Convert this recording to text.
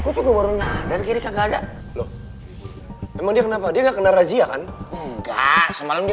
gue juga baru nadar kagak ada loh emang dia kenapa dia kena razia kan enggak semalam di